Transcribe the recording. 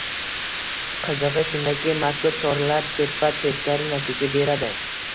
Qizig‘i shundaki, mazkur «chora»lar teppa-teskari natija beradi